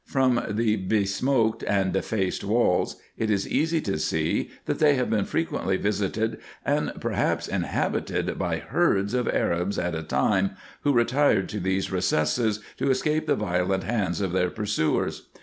From the besmoked and defaced walls it is easy to see, that they have been frequently visited and perhaps inhabited by herds of Arabs at a time, who retired to these recesses to escape the violent hands of their pursuers.